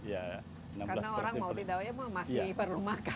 karena orang mau di dawaya masih perlu makan